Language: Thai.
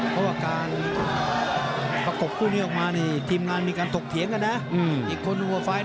เพราะว่าการประกบคู่นี้ออกมาเนี่ยทีมงานมีการตกเทียงกันนะ